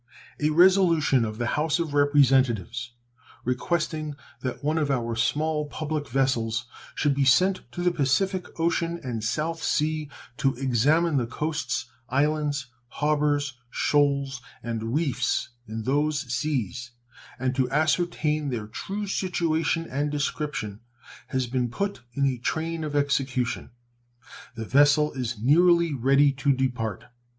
A resolution of the House of Representatives requesting that one of our small public vessels should be sent to the Pacific Ocean and South Sea to examine the coasts, islands, harbors, shoals, and reefs in those seas, and to ascertain their true situation and description, has been put in a train of execution. The vessel is nearly ready to depart.